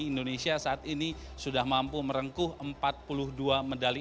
indonesia saat ini sudah mampu merengkuh empat puluh dua medali